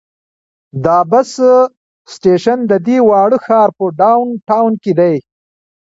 دا بس سټیشن د دې واړه ښار په ډاون ټاون کې دی.